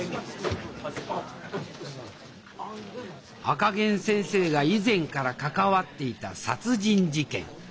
赤ゲン先生が以前から関わっていた殺人事件。